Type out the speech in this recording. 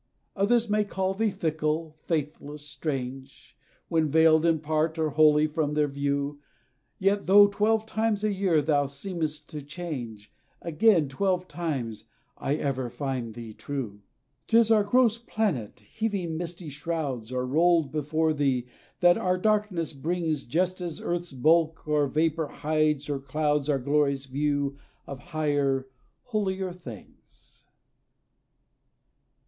Others may call thee fickle faithless strange, When veiled in part, or wholly from their view; Yet, though twelve times a year thou seems't to change, Again twelve times I ever find thee true. 'T is our gross planet, heaving misty shrouds, Or rolled before thee, that our darkness brings, Just as earth's bulk or vapor hides or clouds Our glorious view of higher, holier things.